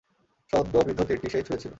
সদ্য বিদ্ধ তীরটি সেই ছুঁড়েছিল।